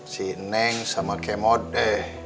si neng sama kemot deh